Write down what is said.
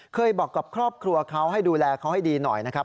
เคยบอกกับครอบครัวเขาให้ดูแลเขาให้ดีหน่อยนะครับ